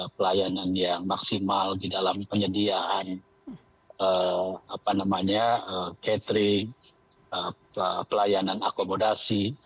pelayanan yang maksimal di dalam penyediaan catering pelayanan akomodasi